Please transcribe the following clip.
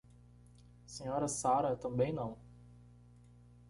Sra Sarah também não.